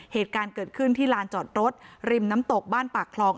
เหตุการณ์เกิดขึ้นที่ลานจอดรถริมน้ำตกบ้านปากคลอง